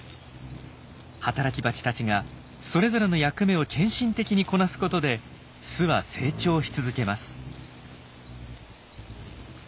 働きバチたちがそれぞれの役目を献身的にこなすことで巣は成長し続けます。